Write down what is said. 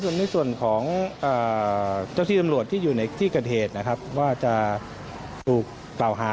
ในส่วนของสมรวจที่อยู่ในที่กระเทศนะครับว่าจะถูกเกลามา